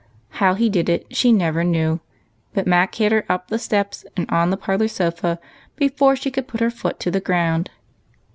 How he did it, she never knew ; but Mac had her up the steps and on the parlor sofa before she could put her foot to the ground.